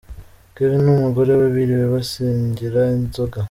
Kevin n’umugore we biriwe basangira inzoga.